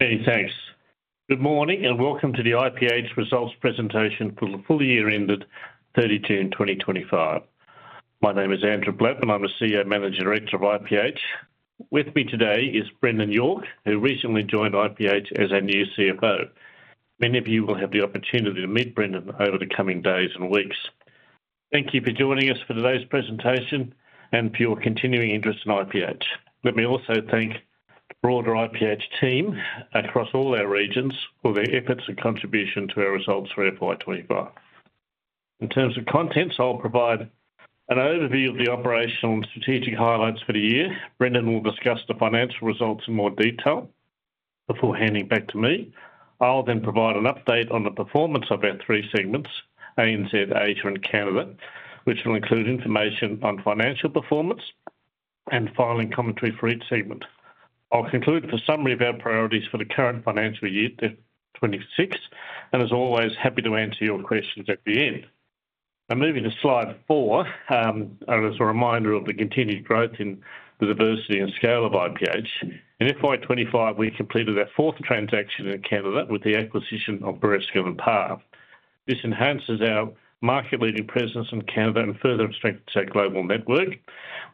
Hey, thanks. Good morning and welcome to the IPH results presentation for the full year ended 30 June 2025. My name is Andrew Blattman. I'm a Senior Managing Director of IPH. With me today is Brendan York, who recently joined IPH as our new CFO. Many of you will have the opportunity to meet Brendan over the coming days and weeks. Thank you for joining us for today's presentation and for your continuing interest in IPH. Let me also thank the broader IPH team across all our regions for their efforts and contribution to our results for FY 2025. In terms of contents, I'll provide an overview of the operational and strategic highlights for the year. Brendan will discuss the financial results in more detail. Before handing back to me, I'll then provide an update on the performance of our three segments – ANZ, Asia, and Canada, which will include information on financial performance and filing commentary for each segment. I'll conclude with a summary of our priorities for the current financial year 2026, and as always, happy to answer your questions at the end. Now, moving to slide four, as a reminder of the continued growth in the diversity and scale of IPH. In FY 2025, we completed our fourth transaction in Canada with the acquisition of Bereskin & Parr. This enhances our market-leading presence in Canada and further strengthens our global network.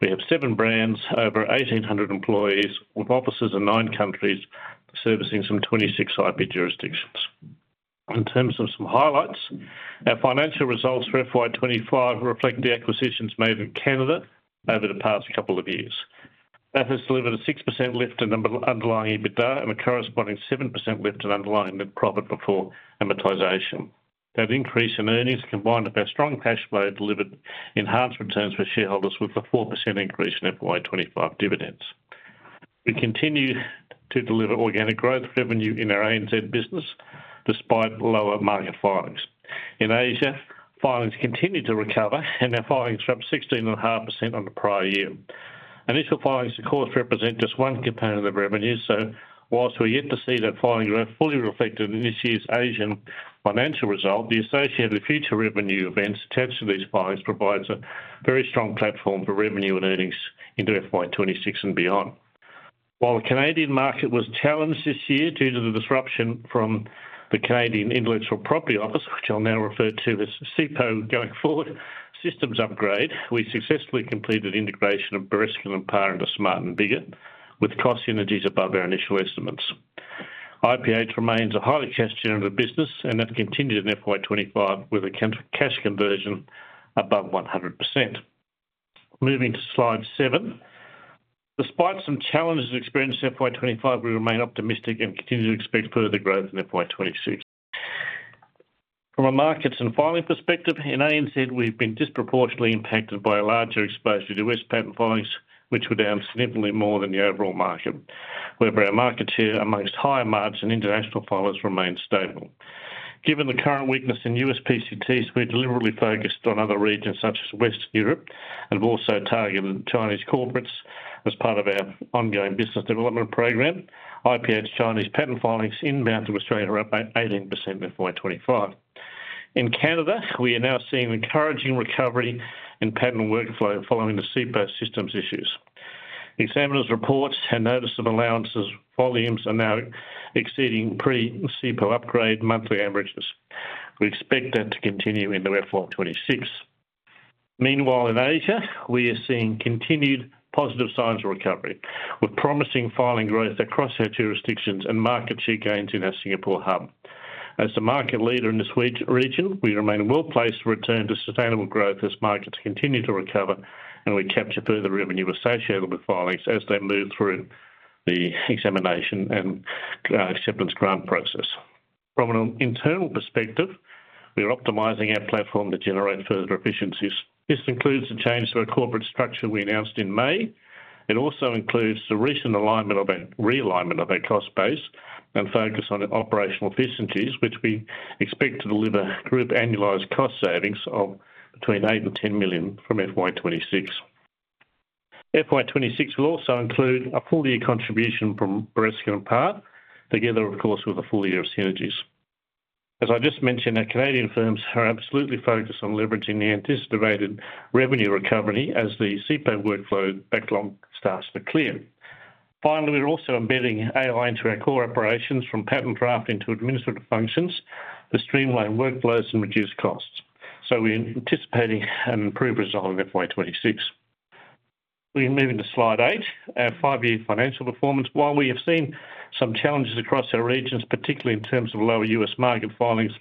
We have seven brands, over 1,800 employees, with offices in nine countries, servicing some 26 IP jurisdictions. In terms of some highlights, our financial results for FY 2025 reflect the acquisitions made in Canada over the past couple of years. That has delivered a 6% lift in underlying EBITDA and a corresponding 7% lift in underlying net profit before amortization. That increase in earnings combined with our strong cash flow delivered enhanced returns for shareholders, with a 4% increase in FY 2025 dividends. We continue to deliver organic growth revenue in our ANZ business, despite lower market filings. In Asia, filings continue to recover, and our filings dropped 16.5% on the prior year. Initial filings of course represent just one component of revenue, so whilst we're yet to see that filing growth fully reflected in this year's Asian financial result, the associated future revenue events attached to these filings provide us a very strong platform for revenue and earnings into FY 2026 and beyond. While the Canadian market was challenged this year due to the disruption from the Canadian Intellectual Property Office, which I'll now refer to as CIPO going forward, systems upgrade, we successfully completed integration of Bereskin & Parr into Smart & Biggar, with cost synergies above our initial estimates. IPH remains a highly cash-generative business, and that's continued in FY 2025 with a cash conversion above 100%. Moving to slide seven, despite some challenges experienced in FY 2025, we remain optimistic and continue to expect further growth in FY 2026. From a markets and filing perspective, in ANZ, we've been disproportionately impacted by a larger exposure to U.S. patent filings, which were down significantly more than the overall market. However, our market share amongst high margins and international filers remains stable. Given the current weakness in U.S. PCTs, we're deliberately focused on other regions such as West Europe and have also targeted Chinese corporates as part of our ongoing business development program. IPH's Chinese patent filings inbound to Australia are up by 18% in FY 2025. In Canada, we are now seeing encouraging recovery in patent workflow following the CIPO systems issues. Examiners report a notice of allowances, volumes are now exceeding pre-CIPO upgrade monthly averages. We expect that to continue into FY 2026. Meanwhile, in Asia, we are seeing continued positive signs of recovery, with promising filing growth across our jurisdictions and market share gains in our Singapore hub. As the market leader in this region, we remain well-placed to return to sustainable growth as markets continue to recover, and we capture further revenue associated with filings as they move through the examination and acceptance grant process. From an internal perspective, we are optimizing our platform to generate further efficiencies. This includes the change to our corporate structure we announced in May. It also includes the recent alignment of our cost base and focus on operational efficiencies, which we expect to deliver group annualized cost savings of between 8 million and 10 million from FY 2026. FY 2026 will also include a full year contribution from Bereskin & Parr, together, of course, with a full year of synergies. As I just mentioned, our Canadian firms are absolutely focused on leveraging the anticipated revenue recovery as the CIPO workflow backlog starts to clear. Finally, we're also embedding AI into our core operations from patent drafting to administrative functions to streamline workflows and reduce costs. We're anticipating an improved result in FY 2026. We can move into slide eight, our five-year financial performance. While we have seen some challenges across our regions, particularly in terms of lower U.S. market filings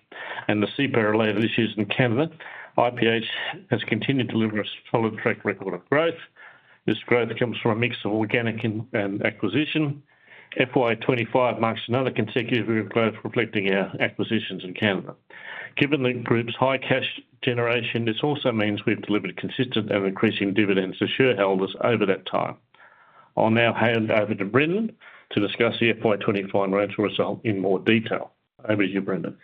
and the CIPO-related issues in Canada, IPH has continued to deliver a solid track record of growth. This growth comes from a mix of organic and acquisition. FY 2025 marks another consecutive year of growth reflecting our acquisitions in Canada. Given the group's high cash generation, this also means we've delivered consistent and increasing dividends to shareholders over that time. I'll now hand over to Brendan to discuss the FY 2025 financial result in more detail. Over to you, Brendan.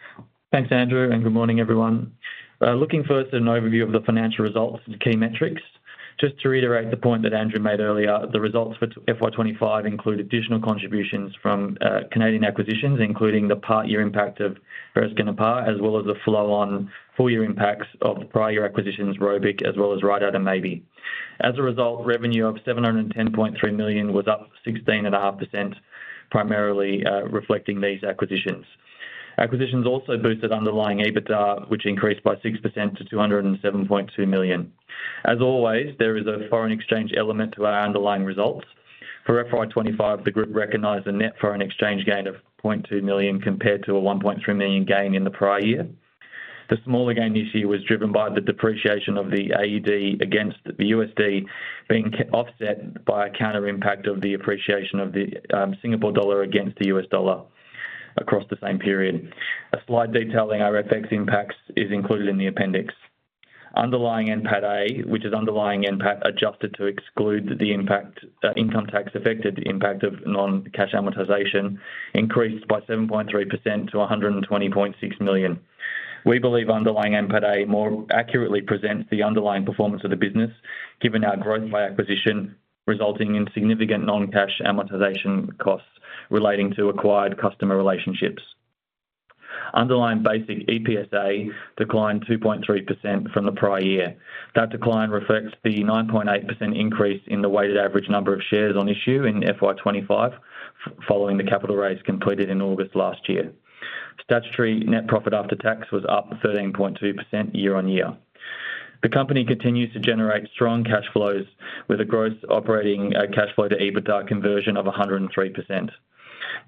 Thanks, Andrew, and good morning, everyone. Looking forward to an overview of the financial results and key metrics. Just to reiterate the point that Andrew made earlier, the results for FY 2025 include additional contributions from Canadian acquisitions, including the part-year impact of Bereskin & Parr, as well as the flow-on full-year impacts of prior year acquisitions, Robic, as well as Ridout & Maybee. As a result, revenue of 710.3 million was up 16.5%, primarily reflecting these acquisitions. Acquisitions also boosted underlying EBITDA, which increased by 6% to 207.2 million. As always, there is a foreign exchange element to our underlying results. For FY 2025, the group recognized a net foreign exchange gain of 0.2 million compared to a 1.3 million gain in the prior year. The smaller gain this year was driven by the depreciation of the AUD against the USD, being offset by a counter impact of the appreciation of the Singapore dollar against the U.S. dollar across the same period. A slide detailing our FX impacts is included in the appendix. Underlying NPAT-A, which is underlying NPAT adjusted to exclude the income tax-affected impact of non-cash amortization, increased by 7.3% to 120.6 million. We believe underlying NPAT-A more accurately presents the underlying performance of the business, given our growth by acquisition resulting in significant non-cash amortization costs relating to acquired customer relationships. Underlying basic EPS-A declined 2.3% from the prior year. That decline reflects the 9.8% increase in the weighted average number of shares on issue in FY 2025 following the capital raise completed in August last year. Statutory net profit after tax was up 13.2% year-on-year. The company continues to generate strong cash flows with a gross operating cash flow to EBITDA conversion of 103%.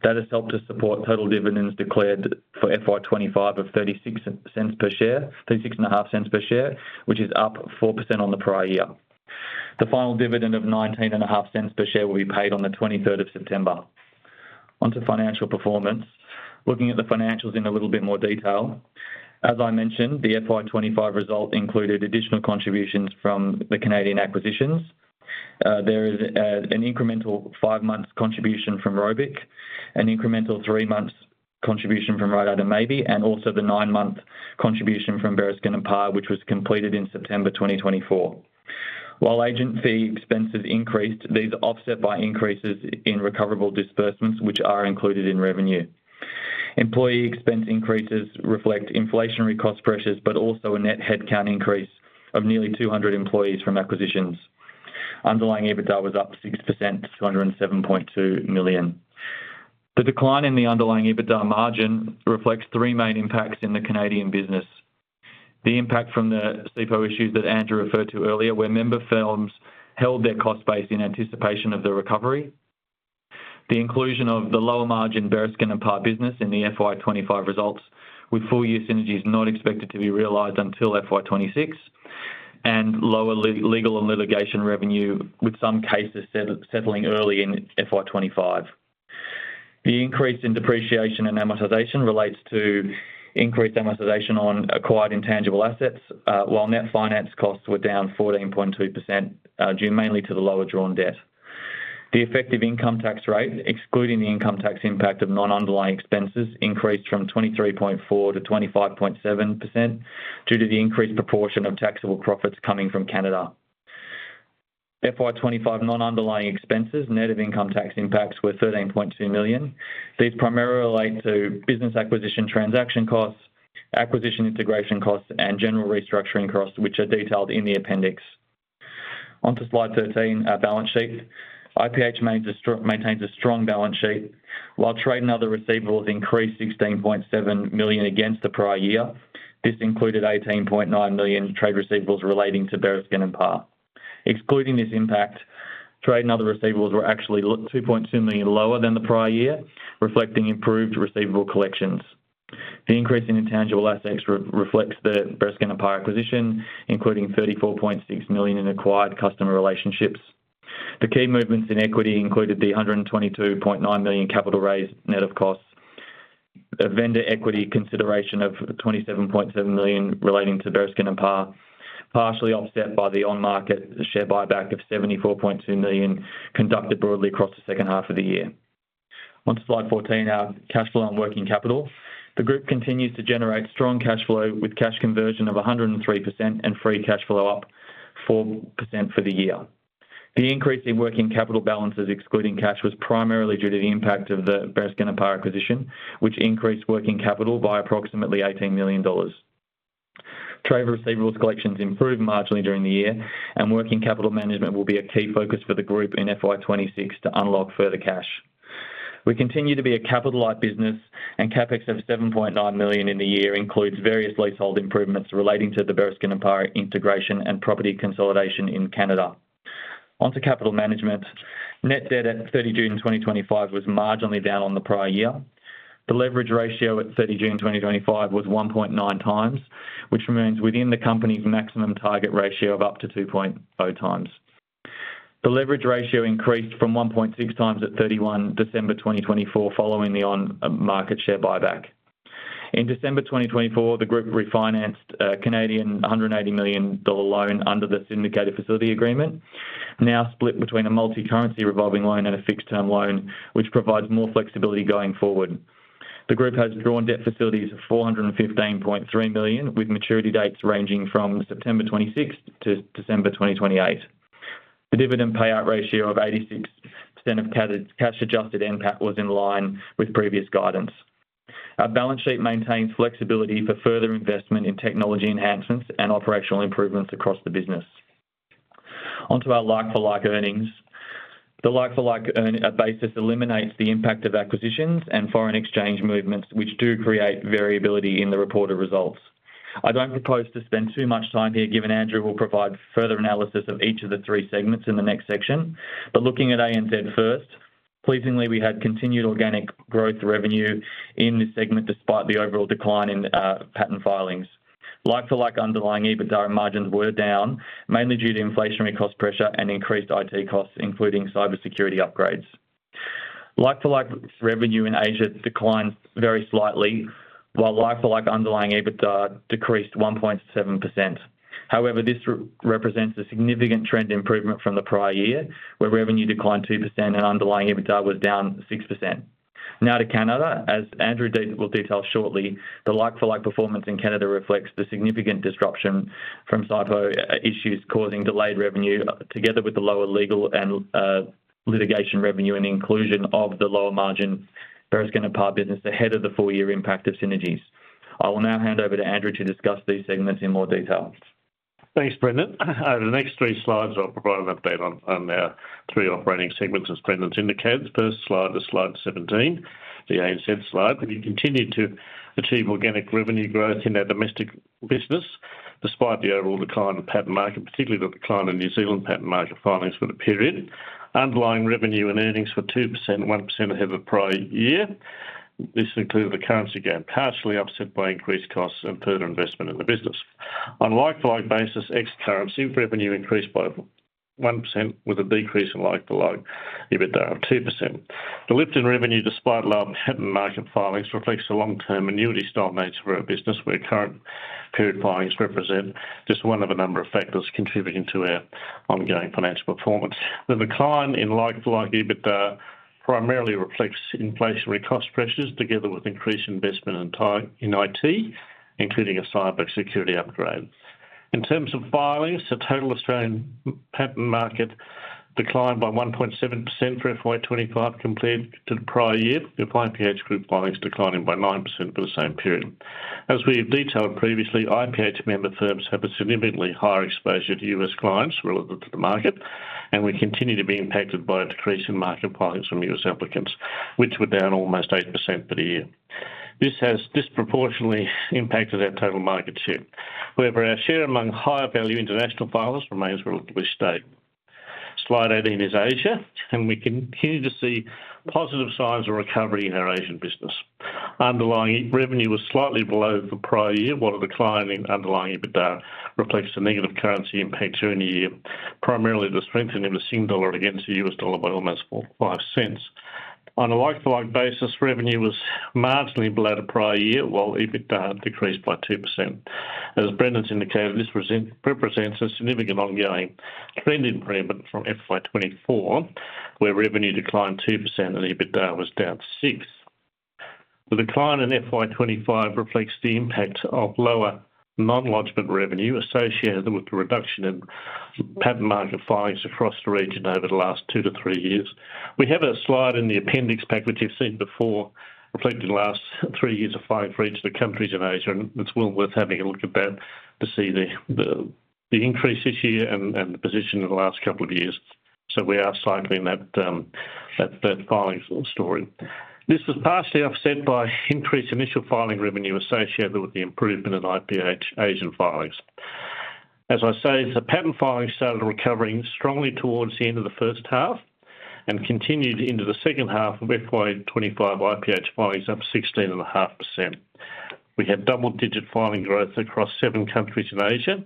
That has helped us support total dividends declared for FY 2025 of 0.36 per share, 0.365 per share, which is up 4% on the prior year. The final dividend of 0.195 per share will be paid on the 23rd of September. Onto financial performance, looking at the financials in a little bit more detail. As I mentioned, the FY 2025 result included additional contributions from the Canadian acquisitions. There is an incremental five-month contribution from Robic, an incremental three-month contribution from Ridout & Maybee, and also the nine-month contribution from Bereskin & Parr, which was completed in September 2024. While agent fee expenses increased, these are offset by increases in recoverable disbursements, which are included in revenue. Employee expense increases reflect inflationary cost pressures, but also a net headcount increase of nearly 200 employees from acquisitions. Underlying EBITDA was up 6% to 207.2 million. The decline in the underlying EBITDA margin reflects three main impacts in the Canadian business. The impact from the CIPO issues that Andrew referred to earlier, where member firms held their cost base in anticipation of the recovery, the inclusion of the lower margin Bereskin & Parr business in the FY 2025 results, with full year synergies not expected to be realized until FY 2026, and lower legal and litigation revenue, with some cases settling early in FY 2025. The increase in depreciation and amortization relates to increased amortization on acquired intangible assets, while net finance costs were down 14.2% due mainly to the lower drawn debt. The effective income tax rate, excluding the income tax impact of non-underlying expenses, increased from 23.4% to 25.7% due to the increased proportion of taxable profits coming from Canada. FY 2025 non-underlying expenses, net of income tax impacts, were 13.2 million. These primarily relate to business acquisition transaction costs, acquisition integration costs, and general restructuring costs, which are detailed in the appendix. Onto slide 13, our balance sheet. IPH maintains a strong balance sheet. While trade and other receivables increased 16.7 million against the prior year, this included 18.9 million trade receivables relating to Bereskin & Parr. Excluding this impact, trade and other receivables were actually 2.2 million lower than the prior year, reflecting improved receivable collections. The increase in intangible assets reflects the Bereskin & Parr acquisition, including AUD 34.6 million in acquired customer relationships. The key movements in equity included the AUD 122.9 million capital raise, net of costs, a vendor equity consideration of AUD 27.7 million relating to Bereskin & Parr, partially offset by the on-market share buyback of 74.2 million conducted broadly across the second half of the year. Onto slide 14, our cash flow on working capital. The group continues to generate strong cash flow with cash conversion of 103% and free cash flow up 4% for the year. The increase in working capital balances, excluding cash, was primarily due to the impact of the Bereskin & Parr acquisition, which increased working capital by approximately 18 million dollars. Trade receivables collections improved marginally during the year, and working capital management will be a key focus for the group in FY 2026 to unlock further cash. We continue to be a capital-light business, and CapEx of 7.9 million in the year includes various leasehold improvements relating to the Bereskin & Parr integration and property consolidation in Canada. Onto capital management. Net debt at 30 June 2025 was marginally down on the prior year. The leverage ratio at 30 June 2025 was 1.9x, which remains within the company's maximum target ratio of up to 2.0x. The leverage ratio increased from 1.6x at 31 December 2024 following the on-market share buyback. In December 2024, the group refinanced a 180 million Canadian dollars loan under the syndicated facility agreement, now split between a multi-currency revolving loan and a fixed-term loan, which provides more flexibility going forward. The group has drawn debt facilities of 415.3 million, with maturity dates ranging from September 2026 to December 2028. The dividend payout ratio of 86% of cash adjusted NPAT was in line with previous guidance. Our balance sheet maintains flexibility for further investment in technology enhancements and operational improvements across the business. Onto our like-for-like earnings. The like-for-like basis eliminates the impact of acquisitions and foreign exchange movements, which do create variability in the reported results. I don't propose to spend too much time here, given Andrew will provide further analysis of each of the three segments in the next section. Looking at ANZ first, pleasingly, we had continued organic growth revenue in this segment despite the overall decline in patent filings. Like-for-like underlying EBITDA margins were down, mainly due to inflationary cost pressure and increased IT costs, including cybersecurity upgrades. Like-for-like revenue in Asia declined very slightly, while like-for-like underlying EBITDA decreased 1.7%. However, this represents a significant trend improvement from the prior year, where revenue declined 2% and underlying EBITDA was down 6%. Now to Canada, as Andrew will detail shortly, the like-for-like performance in Canada reflects the significant disruption from CIPO issues causing delayed revenue, together with the lower legal and litigation revenue and inclusion of the lower margin Bereskin & Parr business ahead of the full year impact of synergies. I will now hand over to Andrew to discuss these segments in more detail. Thanks, Brendan. Over the next three slides, I'll provide an update on our three operating segments, as Brendan indicated. First slide is slide 17, the ANZ slide, where we continue to achieve organic revenue growth in our domestic business despite the overall decline in the patent market, particularly the decline in New Zealand patent market filings for the period. Underlying revenue and earnings were 2% and 1% ahead of the prior year. This included a currency gain, partially offset by increased costs and further investment in the business. On a like-for-like basis, ex-currency revenue increased by 1% with a decrease in like-for-like EBITDA of 2%. The lift in revenue, despite lower patent market filings, reflects a long-term annuity-style nature of our business, where current period filings represent just one of a number of factors contributing to our ongoing financial performance. The decline in like-for-like EBITDA primarily reflects inflationary cost pressures, together with increased investment in IT, including a cybersecurity upgrade. In terms of filings, the total Australian patent market declined by 1.7% for FY 2025 compared to the prior year, with IPH group filings declining by 9% for the same period. As we have detailed previously, IPH member firms have a significantly higher exposure to U.S. clients relative to the market, and we continue to be impacted by a decrease in market filings from U.S. applicants, which were down almost 8% for the year. This has disproportionately impacted our total market share. However, our share among higher value international filers remains relatively stable. Slide 18 is Asia, and we continue to see positive signs of recovery in our Asian business. Underlying revenue was slightly below the prior year, while the decline in underlying EBITDA reflects a negative currency impact during the year, primarily the strengthening of the Singapore dollar against the U.S. dollar by almost 0.05. On a like-for-like basis, revenue was marginally below the prior year, while EBITDA decreased by 2%. As Brendan's indicated, this represents a significant ongoing trend improvement from FY 2024, where revenue declined 2% and EBITDA was down 6%. The decline in FY 2025 reflects the impact of lower non-lodgement revenue associated with the reduction in patent market filings across the region over the last two to three years. We have a slide in the appendix pack, which you've seen before, reflecting the last three years of filings for each of the countries in Asia, and it's well worth having a look at that to see the increase this year and the position in the last couple of years. We are cycling that third filing story. This was partially offset by increased initial filing revenue associated with the improvement in IPH Asian filings. As I say, the patent filings started recovering strongly towards the end of the first half and continued into the second half with FY 2025 IPH filings up 16.5%. We had double-digit filing growth across seven countries in Asia.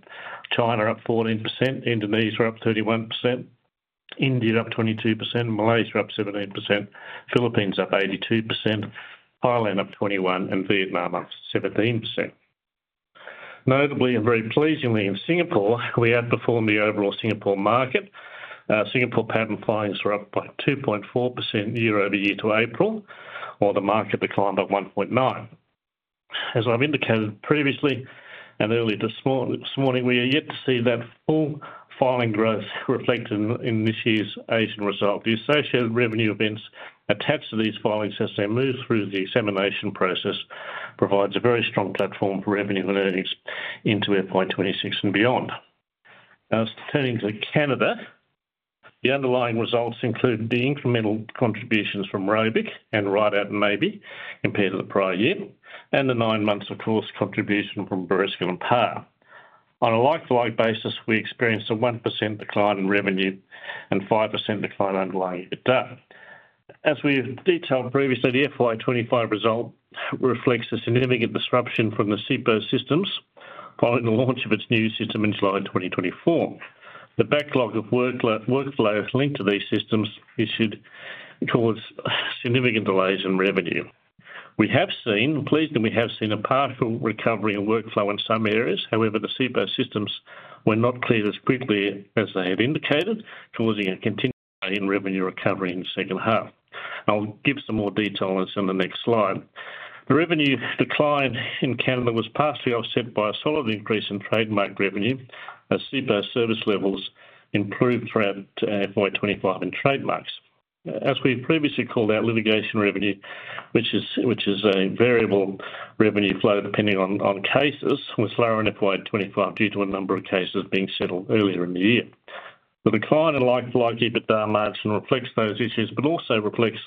China up 14%, Indonesia up 31%, India up 22%, Malaysia up 17%, Philippines up 82%, Thailand up 21%, and Vietnam up 17%. Notably and very pleasingly, in Singapore, we outperformed the overall Singapore market. Singapore patent filings were up by 2.4% year-over-year to April, while the market declined by 1.9%. As I've indicated previously and earlier this morning, we are yet to see that full filing growth reflected in this year's Asian result. The associated revenue events attached to these filings as they move through the examination process provide a very strong platform for revenue and earnings into FY 2026 and beyond. Now turning to Canada, the underlying results include the incremental contributions from Robic and Ridout & Maybee compared to the prior year, and the nine months, of course, contribution from Bereskin & Parr. On a like-for-like basis, we experienced a 1% decline in revenue and a 5% decline in underlying EBITDA. As we have detailed previously, the FY 2025 result reflects a significant disruption from the CIPO systems following the launch of its new system in July 2024. The backlog of workflow linked to these systems caused significant delays in revenue. Pleasingly, we have seen a partial recovery in workflow in some areas; however, the CIPO systems were not cleared as quickly as they had indicated, causing a continued delay in revenue recovery in the second half. I'll give some more detail on this in the next slide. The revenue decline in Canada was partially offset by a solid increase in trademark revenue, as CIPO service levels improved throughout FY 2025 in trademarks. As we previously called out, litigation revenue, which is a variable revenue flow depending on cases, was lower in FY 2025 due to a number of cases being settled earlier in the year. The decline in like-for-like EBITDA margin reflects those issues, but also reflects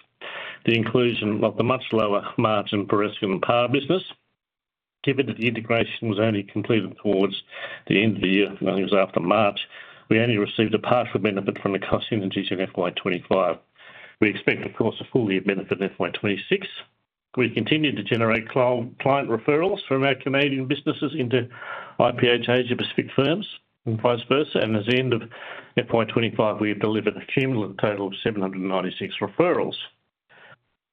the inclusion of the much lower margin Bereskin & Parr business. Given that the integration was only completed towards the end of the year, and it was after March, we only received a partial benefit from the cost synergies in FY 2025. We expect, of course, a full year benefit in FY 2026. We've continued to generate client referrals from our Canadian businesses into IPH Asia Pacific firms and vice versa, and at the end of FY 2025, we have delivered a cumulative total of 796 referrals.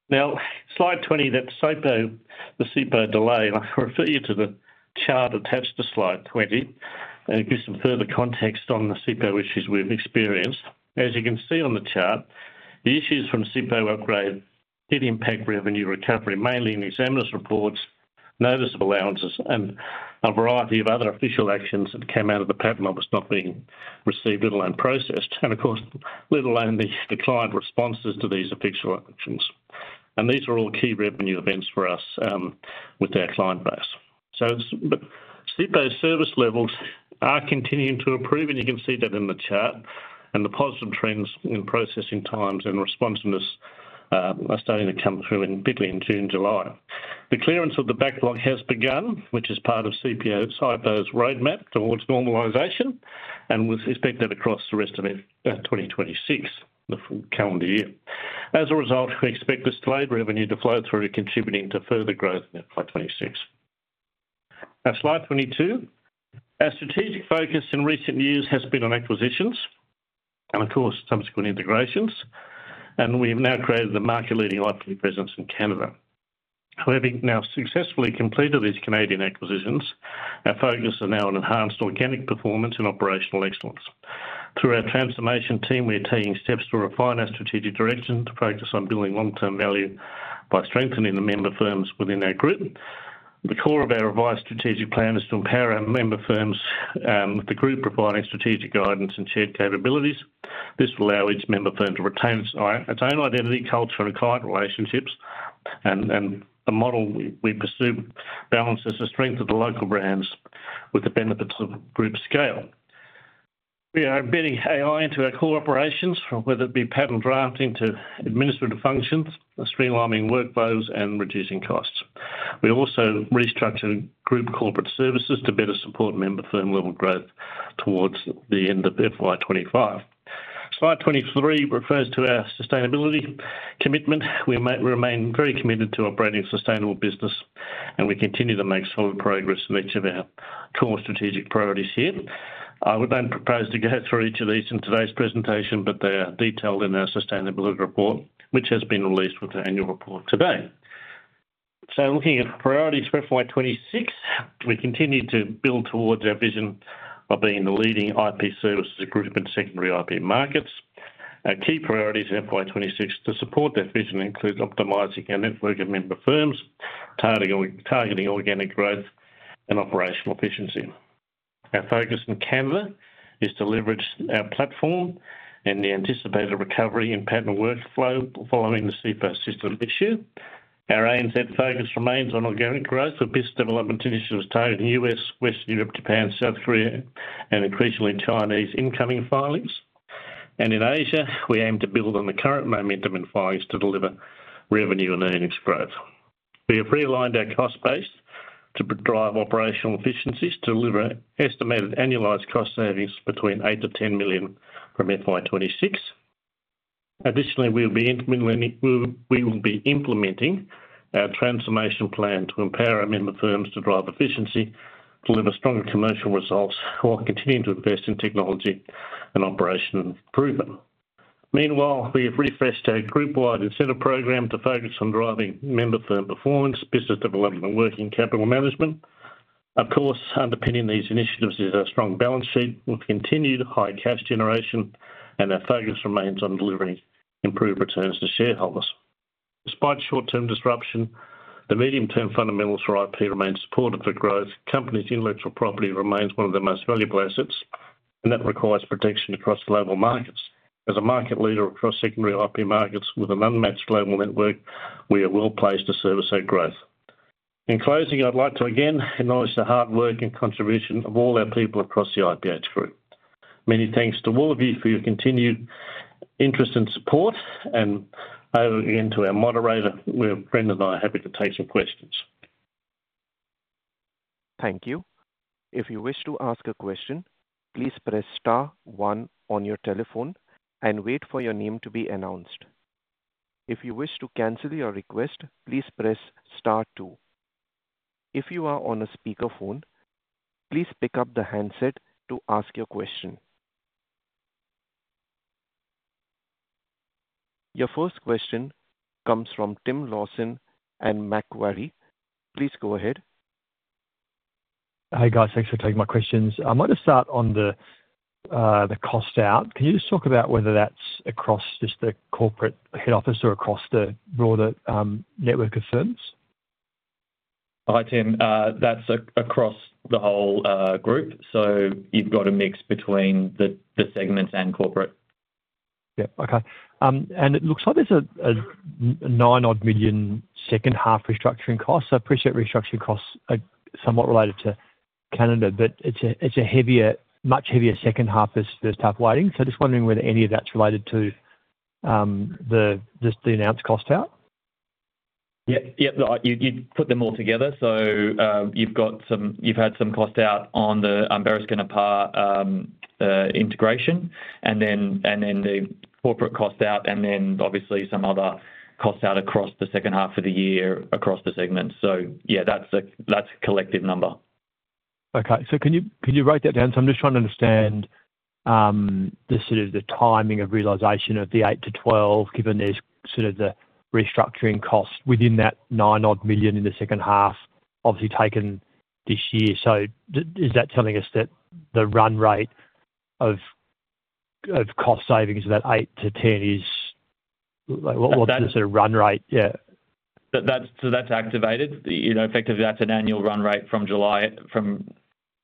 Now, slide 20, that's the CIPO delay, and I'll refer you to the chart attached to slide 20 and give some further context on the CIPO issues we've experienced. As you can see on the chart, the issues from CIPO upgrade did impact revenue recovery, mainly in examiners' reports, notice of allowances, and a variety of other official actions that came out of the patent that was not being received and processed, let alone the client responses to these official actions. These are all key revenue events for us, with our client base. CIPO service levels are continuing to improve, and you can see that in the chart, and the positive trends in processing times and responsiveness are starting to come through, particularly in June and July. The clearance of the backlog has begun, which is part of CIPO's roadmap towards normalization, and we expect that across the rest of 2026, the calendar year. As a result, we expect this delayed revenue to flow through, contributing to further growth in FY 2026. Now, slide 22. Our strategic focus in recent years has been on acquisitions and, of course, subsequent integrations, and we have now created the market-leading IP presence in Canada. Having now successfully completed these Canadian acquisitions, our focus is now on enhanced organic performance and operational excellence. Through our transformation team, we are taking steps to refine our strategic direction to focus on building long-term value by strengthening the member firms within our group. The core of our revised strategic plan is to empower our member firms, the group, providing strategic guidance and shared capabilities. This will allow each member firm to retain its own identity, culture, and client relationships, and the model we pursue balances the strength of the local brands with the benefits of group scale. We are embedding AI into our core operations, whether it be patent drafting to administrative functions, streamlining workflows, and reducing costs. We also restructured group corporate services to better support member firm-level growth towards the end of FY 2025. Slide 23 refers to our sustainability commitment. We remain very committed to operating a sustainable business, and we continue to make solid progress in each of our core strategic priorities here. I would then propose to go through each of these in today's presentation, but they are detailed in our sustainability report, which has been released with the annual report today. Looking at priorities for FY 2026, we continue to build towards our vision of being the leading IP services group in secondary IP markets. Our key priorities in FY 2026 to support that vision include optimizing our network of member firms, targeting organic growth, and operational efficiency. Our focus in Canada is to leverage our platform and the anticipated recovery in patent workflow following the CIPO system issue. Our ANZ focus remains on organic growth with business development initiatives targeting the U.S., Western Europe, Japan, South Korea, and increasingly Chinese incoming filings. In Asia, we aim to build on the current momentum in filings to deliver revenue and earnings growth. We have realigned our cost base to drive operational efficiencies to deliver estimated annualized cost savings between 8 million-10 million from FY 2026. Additionally, we will be implementing our transformation plan to empower our member firms to drive efficiency, deliver stronger commercial results, while continuing to invest in technology and operation improvement. Meanwhile, we have refreshed our group-wide incentive program to focus on driving member firm performance, business development, and working capital management. Of course, underpinning these initiatives is our strong balance sheet with continued high cash generation, and our focus remains on delivering improved returns to shareholders. Despite short-term disruption, the medium-term fundamentals for IP remain supportive for growth. Companies' intellectual property remains one of their most valuable assets, and that requires protection across global markets. As a market leader across secondary IP markets with an unmatched global network, we are well placed to service our growth. In closing, I'd like to again acknowledge the hard work and contribution of all our people across the IPH group. Many thanks to all of you for your continued interest and support, and over again to our moderator, where Brendan and I are happy to take some questions. Thank you. If you wish to ask a question, please press star one on your telephone and wait for your name to be announced. If you wish to cancel your request, please press star two. If you are on a speakerphone, please pick up the handset to ask your question. Your first question comes from Tim Lawson at Macquarie. Please go ahead. Hi, guys. Thanks for taking my questions. I might just start on the cost out. Can you just talk about whether that's across just the corporate head office or across the broader network of firms? Hi, Tim. That's across the whole group. You've got a mix between the segments and corporate. Okay. It looks like there's a 9 million second half restructuring costs. I appreciate restructuring costs are somewhat related to Canada, but it's a much heavier second half as tough lighting. I'm just wondering whether any of that's related to just the announced cost out. Yeah, you put them all together. You've had some cost out on the Bereskin & Parr integration, and then the corporate cost out, and obviously some other cost out across the second half of the year across the segments. That's a collective number. Can you write that down? I'm just trying to understand the timing of realization of the 8 million-12 million, given there's the restructuring cost within that 9 million in the second half, obviously taken this year. Is that telling us that the run rate of cost savings of that 8 million-10 million is, what's the run rate? That's activated. Effectively, that's an annual run rate from July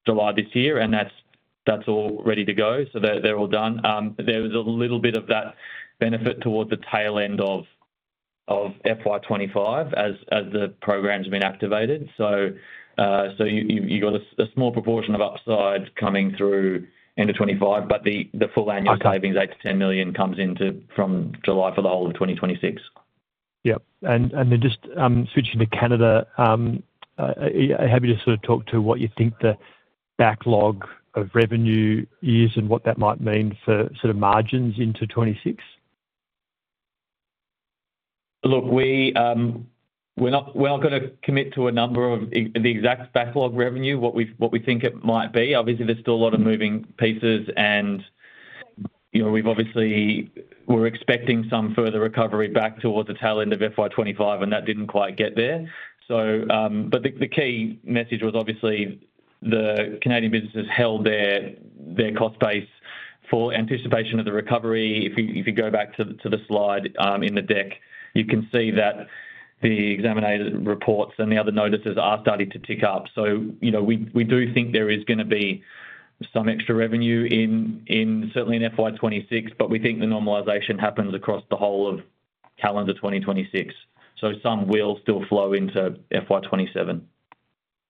this year, and that's all ready to go. They're all done. There was a little bit of that benefit towards the tail end of FY 2025 as the programs have been activated. You've got a small proportion of upside coming through end of 2025, but the full annual savings, 8 million-10 million, comes in from July for the whole of 2026. Yeah, just switching to Canada, are you happy to sort of talk to what you think the backlog of revenue is and what that might mean for sort of margins into 2026? Look, we're not going to commit to a number of the exact backlog revenue, what we think it might be. Obviously, there's still a lot of moving pieces, and you know, we're expecting some further recovery back towards the tail end of FY 2025, and that didn't quite get there. The key message was the Canadian businesses held their cost base for anticipation of the recovery. If you go back to the slide in the deck, you can see that the examined reports and the other notices are starting to tick up. We do think there is going to be some extra revenue certainly in FY 2026, but we think the normalization happens across the whole of calendar 2026. Some will still flow into FY27.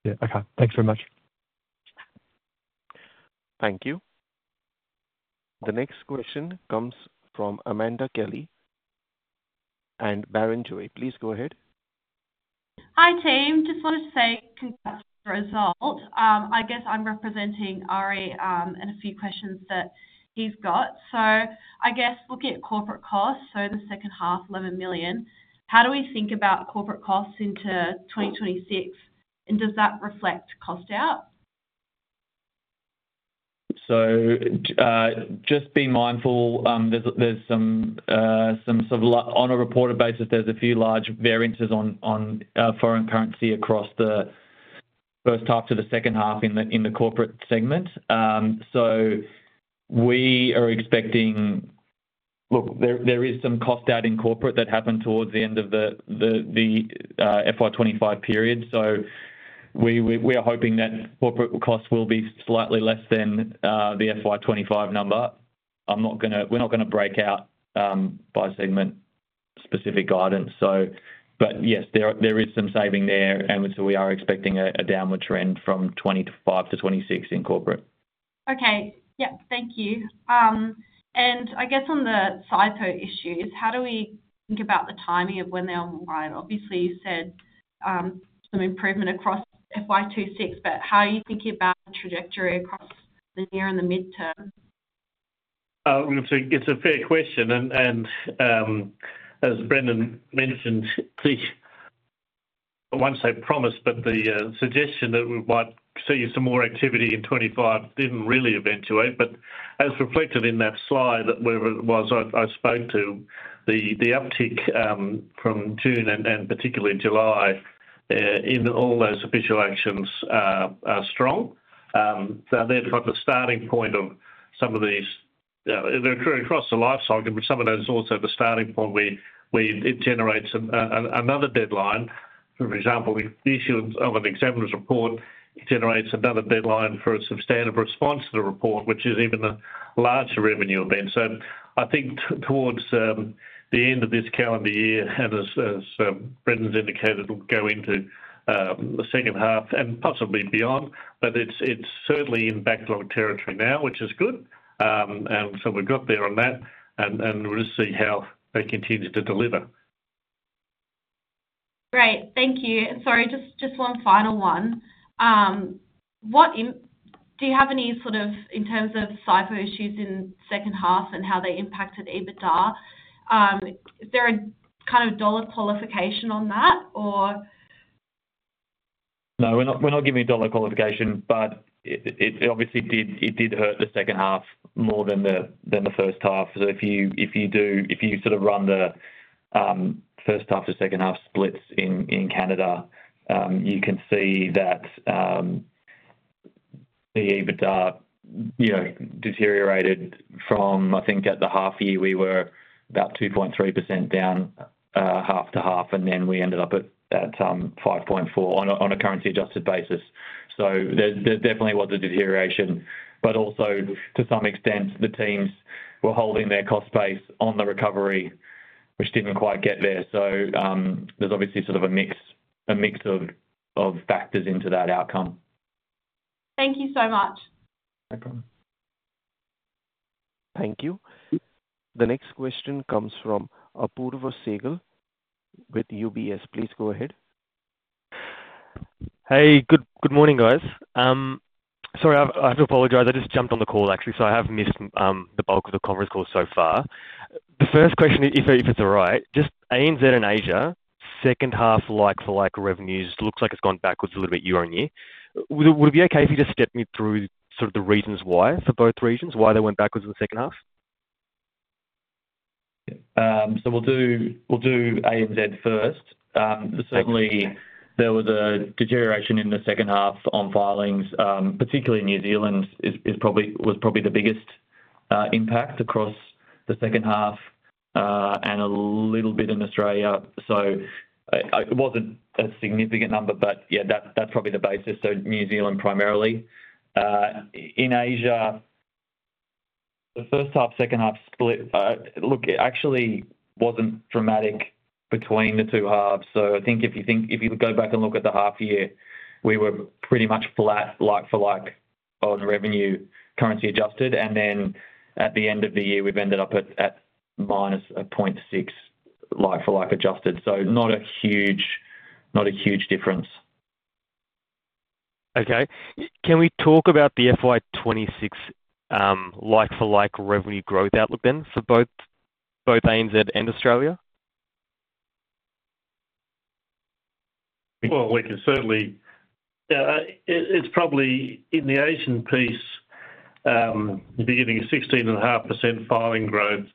Yeah, okay. Thanks very much. Thank you. The next question comes from Amanda Kelly [at] Barrenjoey. Please go ahead. Hi, team. Just wanted to say congrats on the result. I guess I'm representing Ari and a few questions that he's got. Looking at corporate costs, in the second half, 11 million, how do we think about corporate costs into 2026, and does that reflect cost out? Just be mindful, there's some sort of, on a reported basis, a few large variances on foreign currency across the first half to the second half in the corporate segment. We are expecting, look, there is some cost out in corporate that happened towards the end of the FY2025 period. We are hoping that corporate costs will be slightly less than the FY2025 number. I'm not going to, we're not going to break out by segment specific guidance. Yes, there is some saving there, and we are expecting a downward trend from 2025-2026 in corporate. Okay, thank you. I guess on the SISO issues, how do we think about the timing of when they're online? Obviously, you said some improvement across FY 2026, but how are you thinking about the trajectory across the near and the midterm? It's a fair question, and as Brendan mentioned, the, I won't say promise, but the suggestion that we might see some more activity in 2025 didn't really eventuate. As reflected in that slide that was, I spoke to the uptick from June and particularly in July, in all those official actions are strong. They're the starting point of some of these, they're occurring across the lifecycle, but some of those are also the starting point where it generates another deadline. For example, if the issue of an examiner's report generates another deadline for a substantive response to the report, which is even a larger revenue event. I think towards the end of this calendar year, and as Brendan's indicated, it'll go into the second half and possibly beyond, it's certainly in backlog territory now, which is good. We've got there on that, and we'll just see how they continue to deliver. Thank you. Sorry, just one final one. Do you have any sort of, in terms of CIPO issues in the second half and how they impacted EBITDA? Is there a kind of dollar qualification on that or? No, we're not giving a dollar qualification, but it obviously did hurt the second half more than the first half. If you sort of run the first half to second half splits in Canada, you can see that the EBITDA deteriorated from, I think at the half year, we were about 2.3% down half to half, and then we ended up at 5.4% on a currency-adjusted basis. There definitely was a deterioration, but also to some extent, the teams were holding their cost base on the recovery, which didn't quite get there. There's obviously sort of a mix of factors into that outcome. Thank you so much. No problem. Thank you. The next question comes from Apoorv Sehgal with UBS. Please go ahead. Hey, good morning guys. Sorry, I have to apologize. I just jumped on the call actually, so I have missed the bulk of the conference call so far. The first question, if it's all right, just ANZ and Asia, second half like-for-like revenues looks like it's gone backwards a little bit year on year. Would it be okay if you just stepped me through sort of the reasons why for both regions, why they went backwards in the second half? We'll do ANZ first. There was a deterioration in the second half on filings, particularly in New Zealand, which was probably the biggest impact across the second half and a little bit in Australia. It wasn't a significant number, but that's probably the basis. New Zealand primarily. In Asia, the first half, second half split actually wasn't dramatic between the two halves. I think if you go back and look at the half year, we were pretty much flat like-for-like on revenue currency adjusted. At the end of the year, we've ended up at minus 0.6% like-for-like adjusted. Not a huge difference. Okay. Can we talk about the FY 2026 like-for-like revenue growth outlook then for both ANZ and Australia? It's probably in the Asian piece, the beginning of 16.5% filing growth,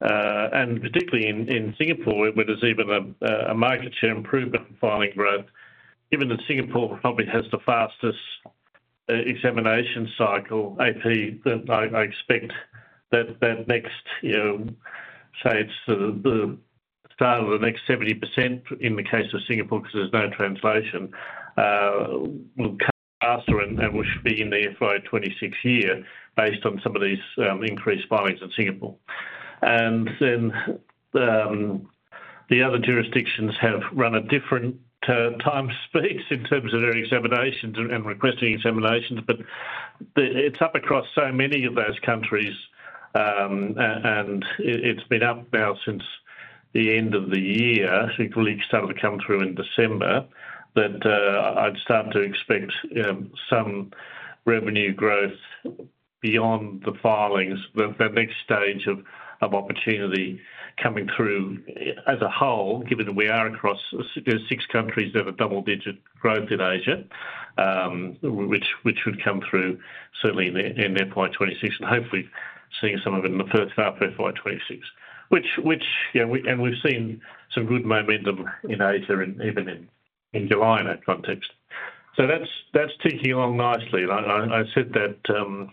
and particularly in Singapore, where there's even a market share improvement in filing growth. Given that Singapore probably has the fastest examination cycle, AP, I expect that next, you know, say it's the start of the next 70% in the case of Singapore because there's no translation, will come faster and will be in the FY 2026 year based on some of these increased filings in Singapore. The other jurisdictions have run a different time space in terms of their examinations and requesting examinations, but it's up across so many of those countries, and it's been up now since the end of the year. I think it really started to come through in December that I'd start to expect some revenue growth beyond the filings, the next stage of opportunity coming through as a whole, given we are across six countries that have double-digit growth in Asia, which would come through certainly in FY 2026, and hopefully seeing some of it in the first half of FY 2026, which, you know, and we've seen some good momentum in Asia and even in July in that context. That's ticking along nicely. I said that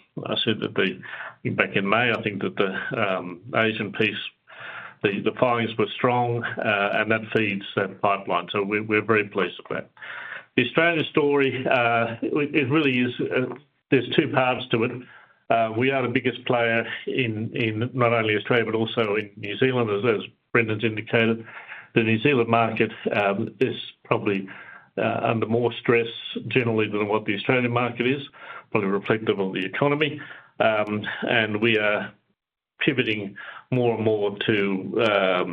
back in May, I think that the Asian piece, the filings were strong, and that feeds that pipeline. We're very pleased with that. The Australian story, it really is, there's two parts to it. We are the biggest player in not only Australia, but also in New Zealand, as Brendan's indicated. The New Zealand market is probably under more stress generally than what the Australian market is, probably reflective of the economy. We are pivoting more and more to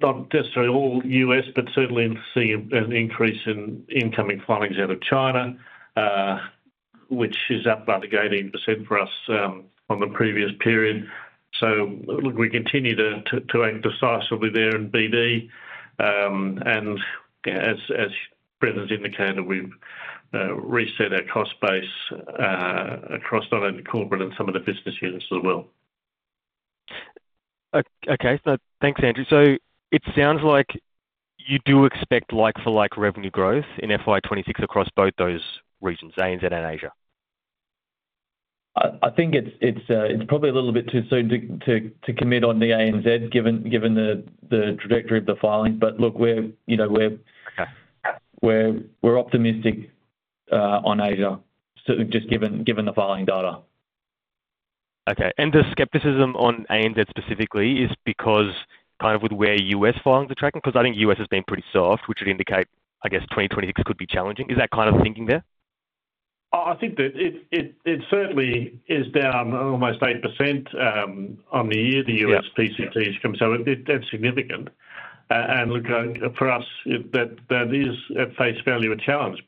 not necessarily all U.S., but certainly seeing an increase in incoming filings out of China, which is up by the gate in % for us on the previous period. Look, we continue to aim precisely there in BD. As Brendan's indicated, we've reset our cost base across not only corporate and some of the business units as well. Okay, thanks Andrew. It sounds like you do expect like-for-like revenue growth in FY 2026 across both those regions, ANZ and Asia. I think it's probably a little bit too soon to commit on the ANZ given the trajectory of the filing. We're optimistic on Asia, certainly just given the filing data. Okay. The skepticism on ANZ specifically is because kind of with where U.S. filings are tracking, because I think U.S. has been pretty soft, which would indicate, I guess, 2026 could be challenging. Is that kind of thinking there? I think that it certainly is down almost 80% on the year, the U.S. PCTs come. That's significant. For us, that is at face value a challenge.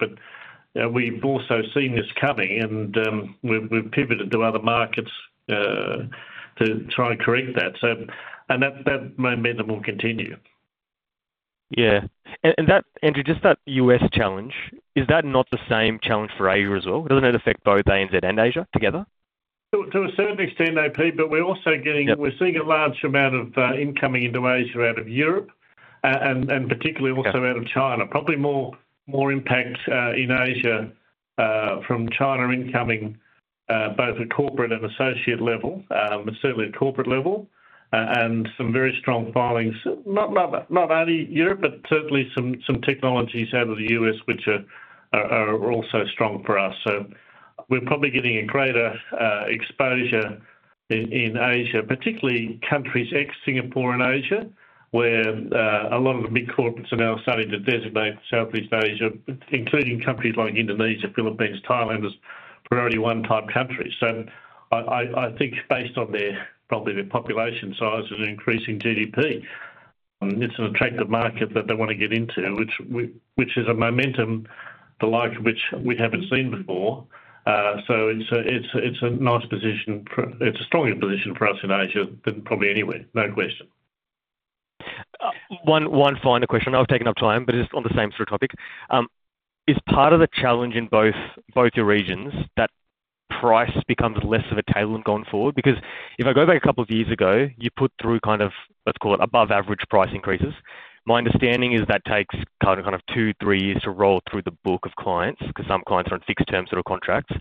We've also seen this coming and we've pivoted to other markets to try and correct that. That momentum will continue. Yeah, Andrew, just that U.S. challenge, is that not the same challenge for Asia as well? Doesn't that affect both ANZ and Asia together? To a certain extent, AP, but we're also getting, we're seeing a large amount of incoming into Asia out of Europe and particularly also out of China. Probably more impact in Asia from China incoming, both at corporate and associate level, but certainly at corporate level and some very strong filings, not only Europe, but certainly some technologies out of the U.S., which are also strong for us. We're probably getting a greater exposure in Asia, particularly countries ex-Singapore and Asia, where a lot of the big corporates are now starting to designate Southeast Asia, including countries like Indonesia, Philippines, Thailand, as priority one type countries. I think based on their probably their population size and increasing GDP, it's an attractive market that they want to get into, which is a momentum the like of which we haven't seen before. It's a nice position. It's a stronger position for us in Asia than probably anywhere, no question. One final question, I've taken up time, but it's on the same sort of topic. Is part of the challenge in both your regions that price becomes less of a tailwind going forward? Because if I go back a couple of years ago, you put through kind of, let's call it, above average price increases. My understanding is that takes kind of two, three years to roll through the book of clients because some clients are on fixed terms that are contracts.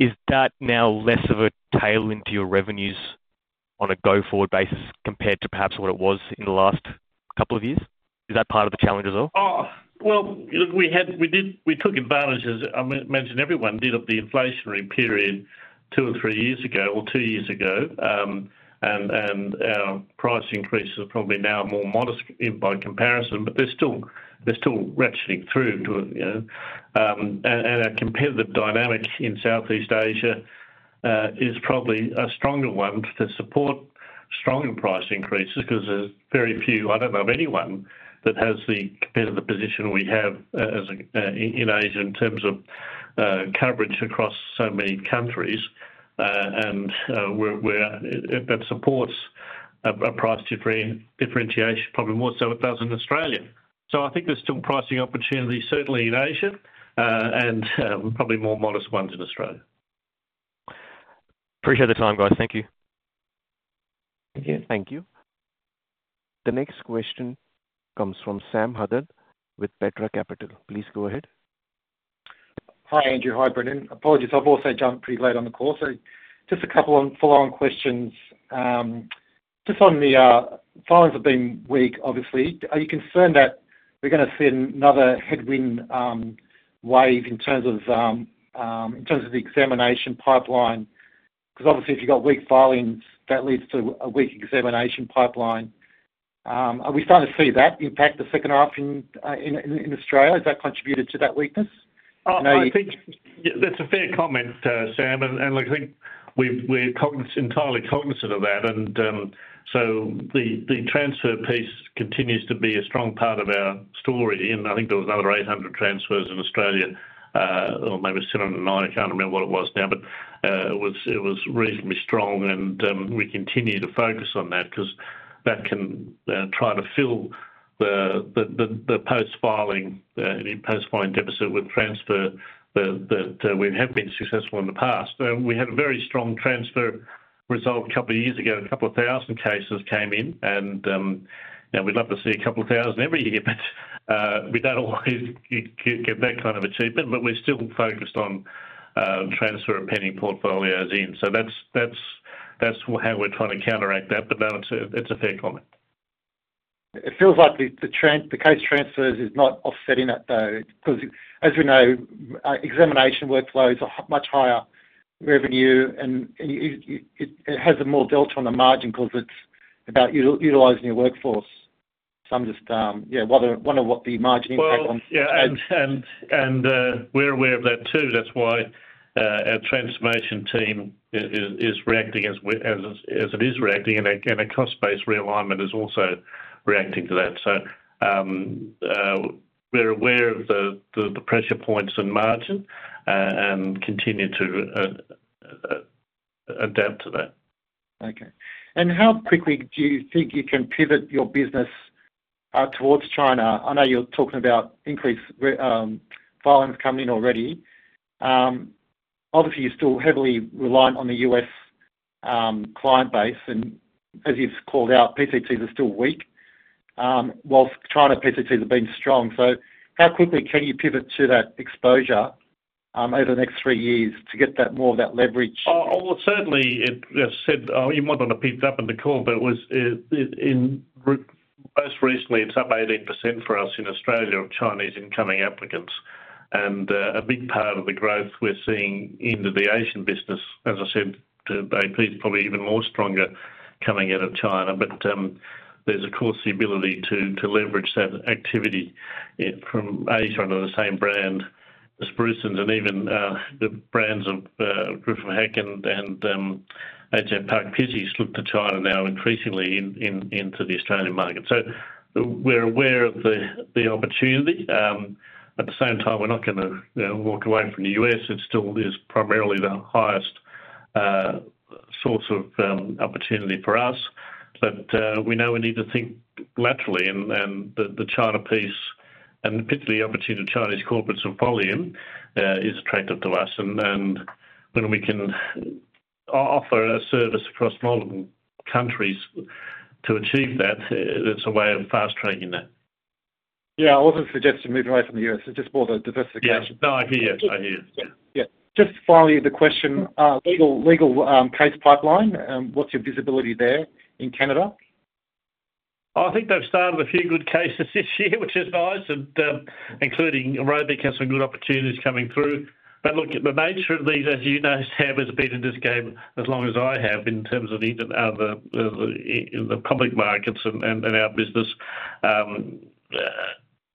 Is that now less of a tailwind to your revenues on a go-forward basis compared to perhaps what it was in the last couple of years? Is that part of the challenge as well? We took advantage, as I imagine everyone did, of the inflationary period two or three years ago or two years ago. Our price increase is probably now more modest by comparison, but they're still ratcheting through to it. Our competitive dynamics in Southeast Asia is probably a stronger one to support stronger price increases because there's very few, I don't know of anyone that has the competitive position we have in Asia in terms of coverage across so many countries. That supports a price differentiation probably more so than it does in Australia. I think there's still pricing opportunities certainly in Asia and probably more modest ones in Australia. Appreciate the time, guys. Thank you. Thank you. Thank you. The next question comes from Sam Haddad with Petra Capital. Please go ahead. Hi Andrew, hi Brendan. Apologies, I've also jumped pretty late on the call. Just a couple of follow-on questions. Just on the filings have been weak, obviously. Are you concerned that we're going to see another headwind wave in terms of the examination pipeline? Because obviously, if you've got weak filings, that leads to a weak examination pipeline. Are we starting to see that impact the second half in Australia? Has that contributed to that weakness? That's a fair comment, Sam. I think we're entirely cognizant of that. The transfer piece continues to be a strong part of our story. I think there was another 800 transfers in Australia, or maybe 709, I can't remember what it was now, but it was reasonably strong. We continue to focus on that because that can try to fill the post-filing deficit with transfer that we have been successful in the past. We had a very strong transfer result a couple of years ago. A couple of thousand cases came in. We'd love to see a couple of thousand every year, but we don't always get that kind of achievement. We're still focused on transfer and pending portfolios in. That's how we're trying to counteract that. It's a fair comment. It feels like the case transfers is not offsetting it though. Because as we know, examination workflows are much higher revenue, and it has a more delta on the margin because it's about utilizing your workforce. I'm just, yeah, wondering what the margin impact is. Yeah, we're aware of that too. That's why our transformation team is reacting as it is reacting, and a cost-based realignment is also reacting to that. We're aware of the pressure points and margin and continue to adapt to that. Okay. How quickly do you think you can pivot your business towards China? I know you're talking about increased filings coming in already. Obviously, you're still heavily reliant on the U.S. client base, and as you've called out, PCTs are still weak, while China PCTs have been strong. How quickly can you pivot to that exposure over the next three years to get more of that leverage? As I said, you might want to pick it up in the call, but most recently it's up 18% for us in Australia of Chinese incoming applicants. A big part of the growth we're seeing into the Asian business, as I said, to AP is probably even more strong coming out of China. There's, of course, the ability to leverage that activity from Asia under the same brand, the Spruson, and even the brands of Griffith Hack and AJ Park. We look to China now increasingly into the Australian market. We're aware of the opportunity. At the same time, we're not going to walk away from the U.S. It still is primarily the highest source of opportunity for us. We know we need to think laterally, and the China piece, and particularly the opportunity of Chinese corporates of volume, is attractive to us. When we can offer a service across multiple countries to achieve that, that's a way of fast tracking that. Yeah, I also suggest you move away from the U.S. It's just more of a diversification. No, I hear you. Just finally, the question, legal case pipeline, what's your visibility there in Canada? I think they've started a few good cases this year, which is nice, and including Robic has some good opportunities coming through. The nature of these, as you know, Sam, has been in this game as long as I have in terms of the public markets and our business.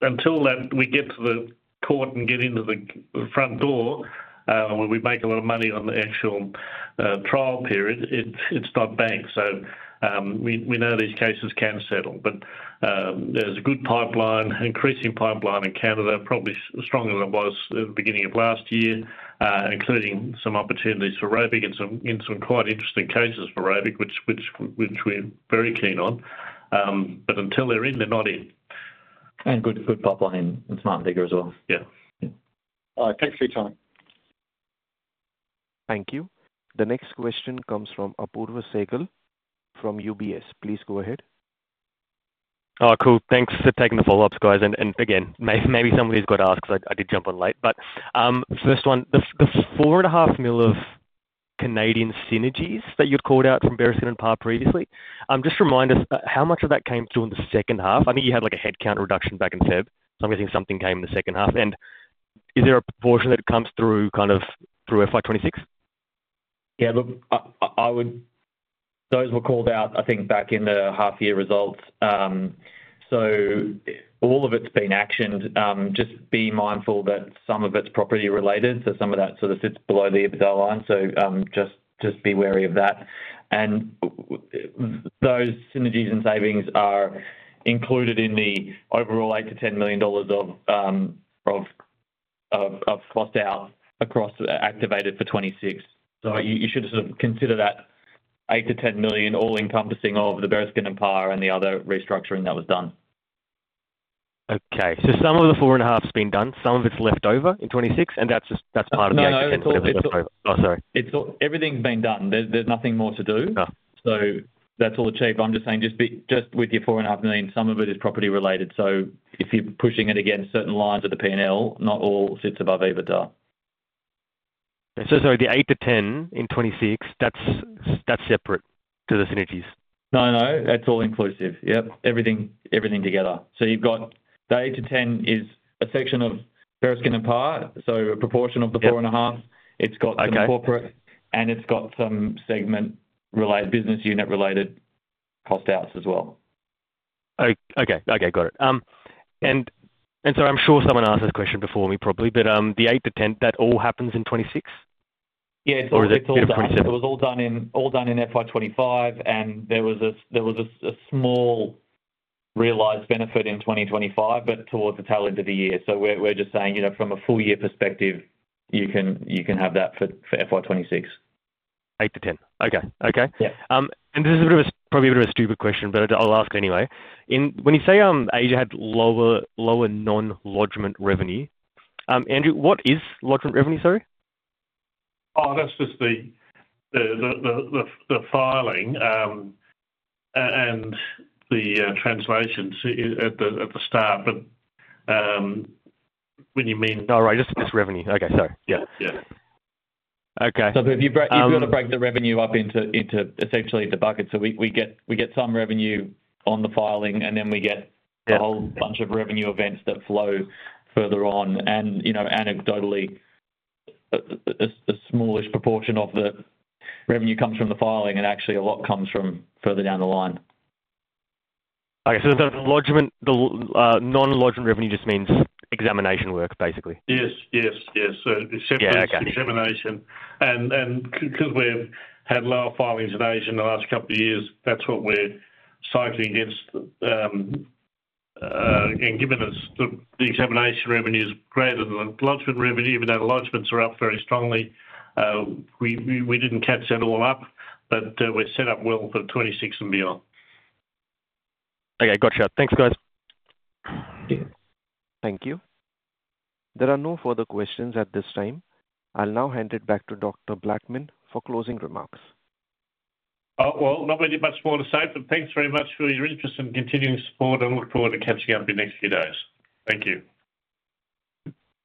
Until we get to the court and get into the front door, and we make a lot of money on the actual trial period, it's not banked. We know these cases can settle. There's a good pipeline, increasing pipeline in Canada, probably stronger than it was at the beginning of last year, including some opportunities for Robic and some quite interesting cases for Robic, which we're very keen on. Until they're in, they're not in. Good pipeline in Smart & Biggar as well. Yeah. All right, thanks for your time. Thank you. The next question comes from Apoorv Sehgal from UBS. Please go ahead. Cool. Thanks for taking the follow-ups, guys. Again, maybe somebody's got to ask because I did jump on late. First one, the 4.5 million of Canadian synergies that you'd called out from Bereskin & Parr previously, just remind us how much of that came through in the second half. I think you had like a headcount reduction back in February. I'm guessing something came in the second half. Is there a proportion that comes through kind of through FY 2026? Yeah, look, I would, those were called out, I think, back in the half-year results. All of it's been actioned. Just be mindful that some of it's property related. Some of that sort of sits below the EBITDA line, so just be wary of that. Those synergies and savings are included in the overall 8 million-10 million dollars of cost out across activated for 2026. You should sort of consider that 8 million-10 million all encompassing of the Bereskin & Parr and the other restructuring that was done. Okay. Some of the 4.5 million's been done. Some of it's left over in 2026, and that's part of the 8 million-10 million. Oh, sorry. Everything's been done. There's nothing more to do. That's all achieved. I'm just saying just with your 4.5 million, some of it is property related. If you're pushing it against certain lines of the P&L, not all sits above EBITDA. Sorry, the 8 million-10 million in 2026, that's separate to the synergies? No, that's all inclusive. Yep, everything together. You've got the 8 million-10 million is a section of Bereskin & Parr. A proportion of the 4.5 million, it's got some corporate and it's got some segment-related business unit-related cost outs as well. Okay, got it. Sorry, I'm sure someone asked this question before me probably, but the 8 million-10 million, that all happens in 2026? Yeah, it's all done in FY 2025. There was a small realized benefit in 2025, but towards the tail end of the year. We're just saying, you know, from a full year perspective, you can have that for FY 2026. 8 million-10 million. Okay. This is probably a bit of a stupid question, but I'll ask anyway. When you say Asia had lower non-lodgement revenue, Andrew, what is lodgement revenue, sorry? Oh, that's just the filing and the translations at the start. When you mean, no, just revenue. Okay, sorry. Yeah. Yeah. Okay. If you're going to break the revenue up into essentially the buckets, we get some revenue on the filing, and then we get a whole bunch of revenue events that flow further on. Anecdotally, a smallish proportion of the revenue comes from the filing, and actually a lot comes from further down the line. Okay, the non-lodgement revenue just means examination work, basically. Yes, yes, yes. It's examination. Since we've had lower filings in Asia in the last couple of years, that's what we're cycling against. Given that the examination revenue is greater than the lodgement revenue, even though the lodgements are up very strongly, we didn't catch that all up. We're set up well for 2026 and beyond. Okay, gotcha. Thanks, guys. Thank you. There are no further questions at this time. I'll now hand it back to Dr. Blattman for closing remarks. Thank you very much for your interest and continuing support. I look forward to catching up in the next few days. Thank you.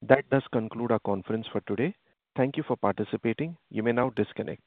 That does conclude our conference for today. Thank you for participating. You may now disconnect.